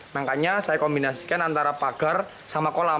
makanya saya kombinasikan antara pagar sama kolam